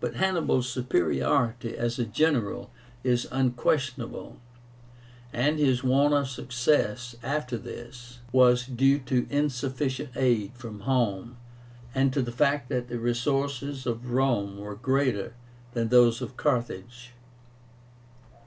But Hannibal's superiority as a general is unquestionable, and his want of success after this was due to insufficient aid from home, and to the fact that the resources of Rome were greater than those of Carthage.